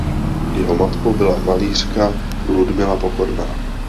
Jeho matkou byla malířka Ludmila Pokorná.